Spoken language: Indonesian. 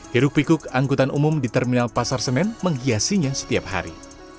hiruk pikuk angkutan umum di terminal pasar senen menghiasinya setiap hari